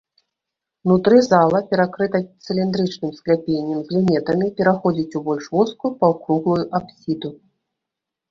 Унутры зала перакрыта цыліндрычным скляпеннем з люнетамі, пераходзіць у больш вузкую паўкруглую апсіду.